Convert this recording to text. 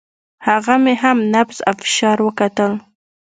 هغه مې هم نبض او فشار وکتل.